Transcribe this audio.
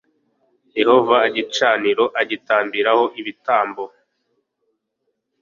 Yehova igicaniro agitambiraho ibitambo